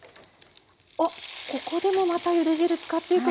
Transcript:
あっここでもまたゆで汁使っていくわけですね。